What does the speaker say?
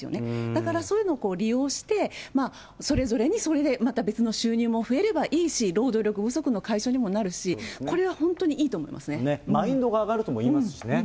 だからそういうのを利用して、それぞれにそれでまた別の収入も増えればいいし、労働力不足の解消にもなるし、これは本当にいいと思いますね。